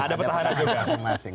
ada petahana juga